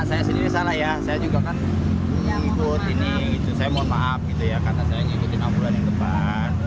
saya sendiri salah ya saya juga kan ngikut ini gitu saya mohon maaf gitu ya karena saya ngikutin ambulan yang tepat